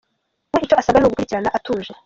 We icyo asabwa ni ugukurikirana atuje.